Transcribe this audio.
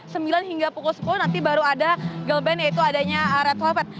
pukul sembilan hingga pukul sepuluh nanti baru ada girl band yaitu adanya red velvet